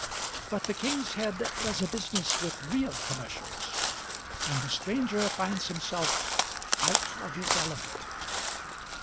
But the King's Head does a business with real commercials, and the stranger finds himself out of his element.